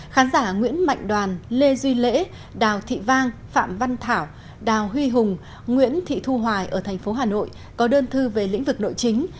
khán giả nguyễn mạnh đoàn lê duy lễ đào thị vang phạm văn thảo đào huy hùng nguyễn thị thu hoài ở thành phố hà nội có đơn thư về lĩnh vực nội chính